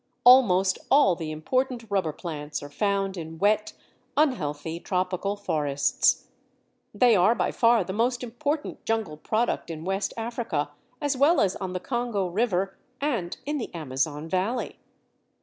Almost all the important rubber plants are found in wet, unhealthy, tropical forests; they are by far the most important jungle product in West Africa, as well as on the Congo River and in the Amazon valley.